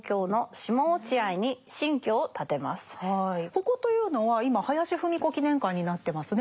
ここというのは今林芙美子記念館になってますね。